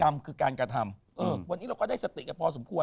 กรรมคือการกระทำวันนี้เราก็ได้สติกันพอสมควร